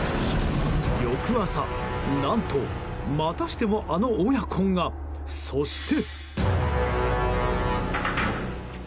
翌朝、何とまたしてもあの親子がそして。